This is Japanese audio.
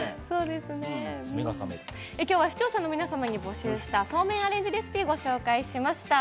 今日は視聴者の皆様に募集した、そうめんアレンジレシピをご紹介しました。